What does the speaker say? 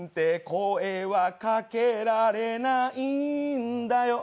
声はかけられないんだよ